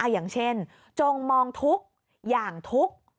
อย่างเช่นจงมองทุกอย่างทุกข์